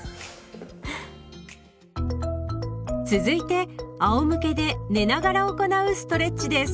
続いてあおむけで寝ながら行うストレッチです。